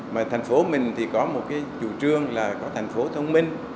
mà thành phố mình thì có một cái chủ trương là có thành phố thông minh